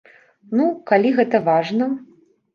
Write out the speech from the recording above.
Ну, калі гэта важна.